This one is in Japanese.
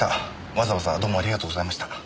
わざわざどうもありがとうございました。